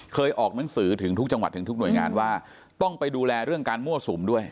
ออกหนังสือถึงทุกจังหวัดถึงทุกหน่วยงานว่าต้องไปดูแลเรื่องการมั่วสุมด้วย